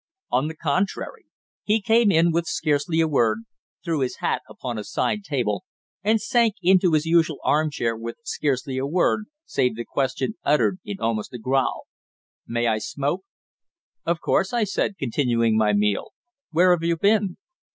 On the contrary, he came in with scarcely a word, threw his hat upon a side table, and sank into his usual armchair with scarcely a word, save the question uttered in almost a growl: "May I smoke?" "Of course," I said, continuing my meal. "Where have you been?"